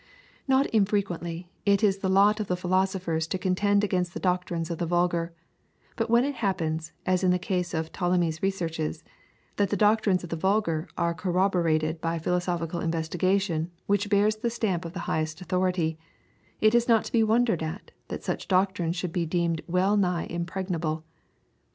Not unfrequently it is the lot of the philosophers to contend against the doctrines of the vulgar, but when it happens, as in the case of Ptolemy's researches, that the doctrines of the vulgar are corroborated by philosophical investigation which bear the stamp of the highest authority, it is not to be wondered at that such doctrines should be deemed well nigh impregnable.